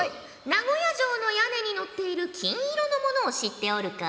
名古屋城の屋根にのっている金色のものを知っておるか？